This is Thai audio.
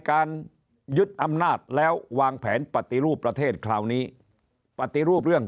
การยึดอำนาจแล้ววางแผนปฏิรูปประเทศคราวนี้ปฏิรูปเรื่อง